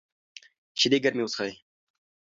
شیدې ګرمې وڅښئ.